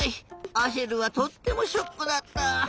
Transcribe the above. アシェルはとってもショックだった。